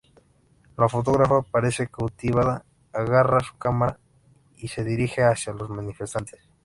La fotógrafa parece cautivada, agarra su cámara y se dirige hacia los manifestantes.